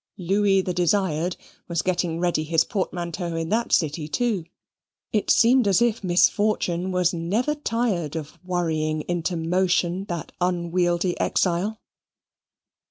Louis the Desired was getting ready his portmanteau in that city, too. It seemed as if Misfortune was never tired of worrying into motion that unwieldy exile.